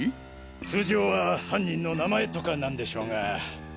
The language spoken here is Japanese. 通常は犯人の名前とかなんでしょうが。